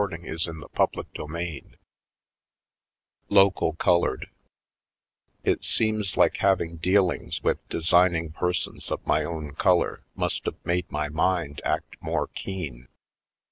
PoindexteVy Colored CHAPTER V Local Colored Ir seems like having dealings with de signing persons of my own color must 've made my mind act more keen.